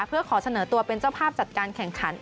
เพื่อขอเสนอตัวเป็นเจ้าภาพจัดการแข่งขัน